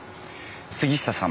杉下さん